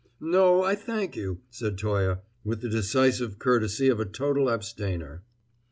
"No, I thank you," said Toye, with the decisive courtesy of a total abstainer.